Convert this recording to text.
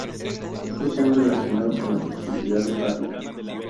Estos se han relacionado con la toxicidad hepática.